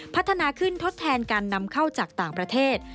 พัฒนาขึ้นทดแทนการนำเข้าจากต่างประเทศ